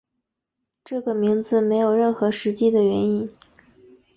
这个名字没有任何实际的原因。